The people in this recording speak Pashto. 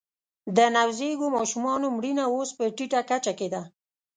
د نوزیږو ماشومانو مړینه اوس په ټیټه کچه کې ده